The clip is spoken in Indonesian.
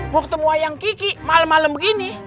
mau ketemu ayang kiki malem malem begini